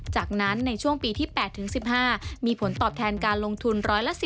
จากนั้นในช่วงปีที่๘๑๕มีผลตอบแทนการลงทุน๑๑๐